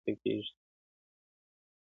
قرباني بې وسه پاتې کيږي تل,